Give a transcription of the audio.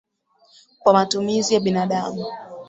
kwa matumizi ya binadamu